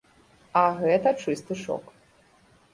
А гэта чысты шок.